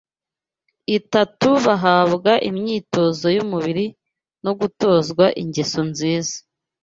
itatu bahabwa imyitozo y’umubiri no gutozwa ingeso nziza.